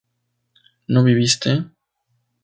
¿no viviste?